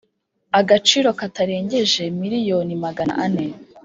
agaciro katarengeje miliyoni magana ane.